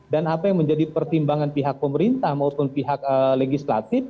dan apa yang menjadi pertimbangan pihak pemerintah maupun pihak legislatif